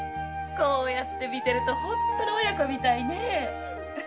こうやって見てると本当に親子みたいね。